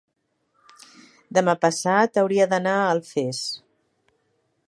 demà passat hauria d'anar a Alfés.